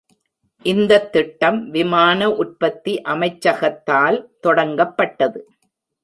இந்தத் திட்டம் விமான உற்பத்தி அமைச்சகத்தால் தொடங்கப்பட்டது.